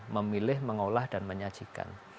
memilih mengolah dan menyajikan